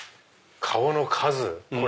顔の数！